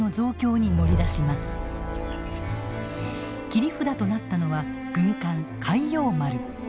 切り札となったのは軍艦開陽丸。